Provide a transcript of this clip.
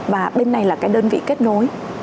và bên này là cái đơn vị kết nối